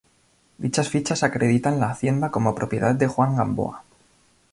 Dichas fichas acreditan la hacienda como propiedad de Juan Gamboa.